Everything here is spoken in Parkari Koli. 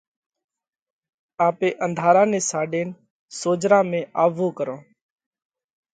آپي انڌارا نئہ ساڏينَ سوجھرا ۾ آوَو ڪرونه۔